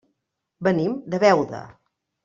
Venim de Beuda.